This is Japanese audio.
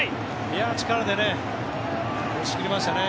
力で押し切りましたね。